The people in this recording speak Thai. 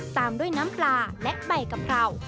ตามด้วยน้ำปลาและใบกะเพรา